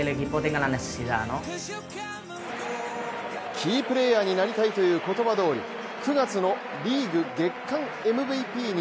キープレーヤーになりたいという言葉どおり、９月のリーグ月間ＭＶＰに。